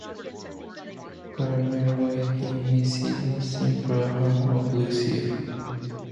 Gardner writes, Her message was simple, 'Hands off Russia!